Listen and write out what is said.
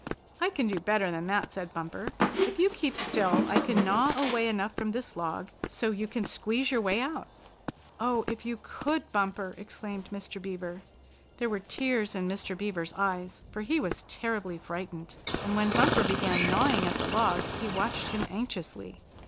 "I can do better than that," said Bumper. "If you keep still I can gnaw away enough from this log so you can squeeze your way out." "Oh, if you could, Bumper!" exclaimed Mr. Beaver. There were tears in Mr. Beaver's eyes, for he was terribly frightened, and when Bumper began gnawing at the log he watched him anxiously.